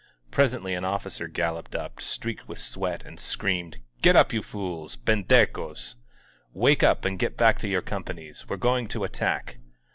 Presently an officer galloped up, streaked with sweat, and screamed, *^Gret up, you fools ! Pendecosl Wake up and get back to your companies! We're going to attack!"